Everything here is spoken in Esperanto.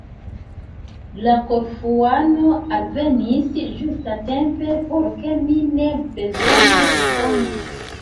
La Korfuano alvenis ĝustatempe, por ke mi ne bezonu respondi.